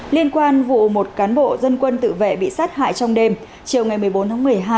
liên quan vụ một cán bộ dân quân tự vệ bị sát hại trong đêm chiều ngày một mươi bốn tháng một mươi hai